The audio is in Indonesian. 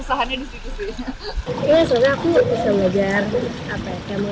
ya sebenarnya aku bisa belajar apa ya mau menang dari sendiri kalau aku mau menang dari sendiri limitnya aku seberapa